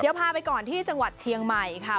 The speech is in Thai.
เดี๋ยวพาไปก่อนที่จังหวัดเชียงใหม่ค่ะ